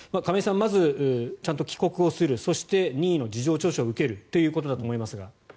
まずちゃんと帰国をするそして任意の事情聴取を受けるということだと思いますが。